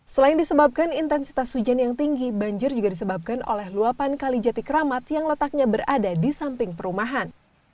selain disebabkan intensitas hujan yang tinggi banjir juga disebabkan oleh luapan kalijati keramat yang letaknya berada di samping perumahan